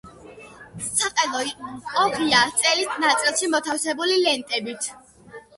საყელო იყო ღია, წელის ნაწილში მოთავსებული ლენტებით.